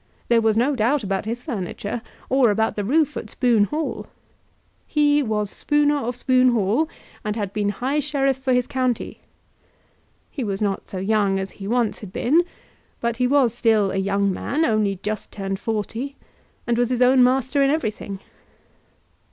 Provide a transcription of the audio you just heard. There was no doubt about his furniture, or about the roof at Spoon Hall. He was Spooner of Spoon Hall, and had been High Sheriff for his county. He was not so young as he once had been; but he was still a young man, only just turned forty, and was his own master in everything.